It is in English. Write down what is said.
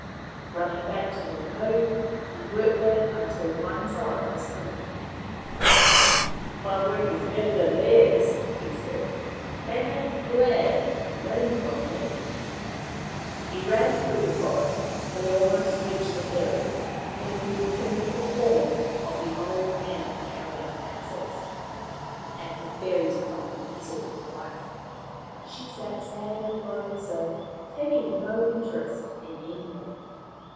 Running back to the canoe, he worked at it until one side was finished. " My work is better than theirs," he said. " They may be glad to learn from me." 44 Maoriland Fairy Tales He ran through the forest till he almost reached the fairies, then he returned to the form of the old man carrying the axes. At the fairies' home he saw his wife. She sat sadly by herself, taking no interest in anything.